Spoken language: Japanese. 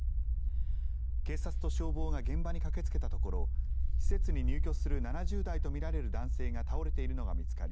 警察と消防が現場に駆けつけたところ施設に入居する７０代とみられる男性が倒れているのが見つかり